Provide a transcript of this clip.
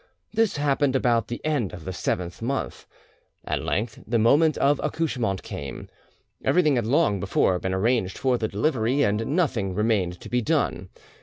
This happened about the end of the seventh month. At length the moment of accouchement came. Everything had long before been arranged for the delivery, and nothing remained to be done.